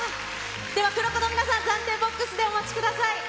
では、ＫＵＲＯＫＯの皆さん、暫定ボックスでお待ちください。